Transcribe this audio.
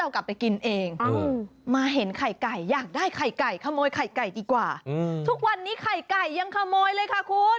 ขโมยไข่ไก่ดีกว่าทุกวันนี้ไข่ไก่ยังขโมยเลยค่ะคุณ